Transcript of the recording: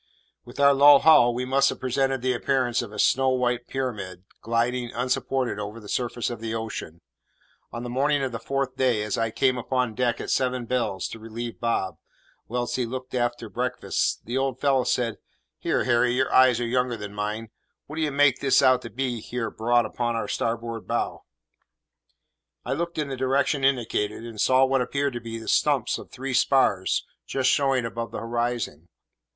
With our low hull, we must have presented the appearance of a snow white pyramid, gliding, unsupported, over the surface of the ocean. On the morning of the fourth day, as I came upon deck at seven bells to relieve Bob, whilst he looked after breakfast, the old fellow said, "Here, Harry, your eyes are younger than mine; what d'ye make this out to be away here broad upon our starboard bow?" I looked in the direction indicated, and saw what appeared to be the stumps of three spars just showing above the horizon.